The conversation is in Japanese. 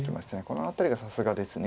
この辺りがさすがです